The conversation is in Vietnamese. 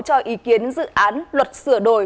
cho ý kiến dự án luật sửa đổi